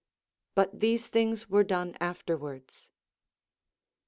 But these things were done afterwards.